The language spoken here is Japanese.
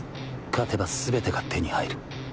勝てばすべてが手に入る。